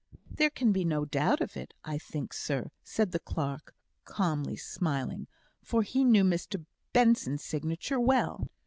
"There can be no doubt of it, I think, sir," said the clerk, calmly smiling, for he knew Mr Benson's signature well.